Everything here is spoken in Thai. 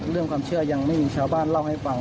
เรื่องความเชื่อยังไม่มีชาวบ้านเล่าให้ฟัง